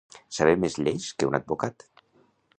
Saber més lleis que un advocat.